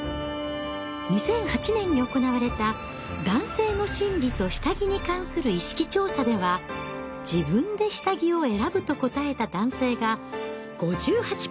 ２００８年に行われた「男性の心理と下着に関する意識調査」では「自分で下着を選ぶ」と答えた男性が５８％。